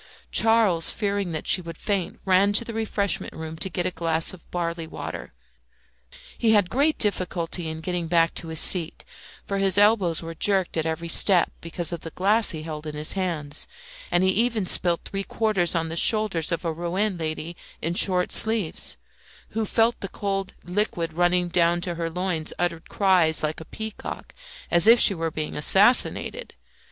Charles, fearing that she would faint, ran to the refreshment room to get a glass of barley water. He had great difficulty in getting back to his seat, for his elbows were jerked at every step because of the glass he held in his hands, and he even spilt three fourths on the shoulders of a Rouen lady in short sleeves, who feeling the cold liquid running down to her loins, uttered cries like a peacock, as if she were being assassinated.